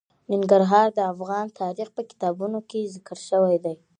ننګرهار د افغان تاریخ په کتابونو کې ذکر شوی دي.